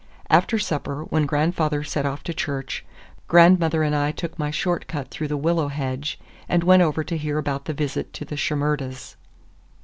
After supper, when grandfather set off to church, grandmother and I took my short cut through the willow hedge and went over to hear about the visit to the Shimerdas.